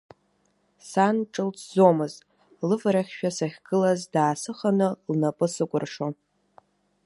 Сан ҿылҭӡомызт, лыварахьшәа сахьгылаз даасыханы лнапы сыкәыршо.